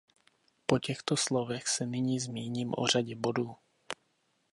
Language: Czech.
Po těchto slovech se nyní zmíním o řadě bodů.